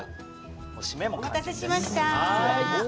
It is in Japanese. お待たせしました！